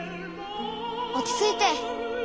落ち着いて。